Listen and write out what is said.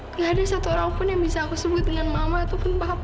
tidak ada satu orang pun yang bisa aku sebut dengan mama ataupun bapak